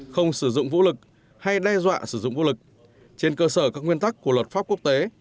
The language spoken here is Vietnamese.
không sử dụng vũ lực hay đe dọa sử dụng vũ lực trên cơ sở các nguyên tắc của luật pháp quốc tế